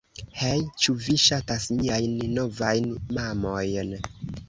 Hej' ĉu vi ŝatas miajn novajn mamojn